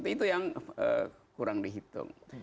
itu yang kurang dihitung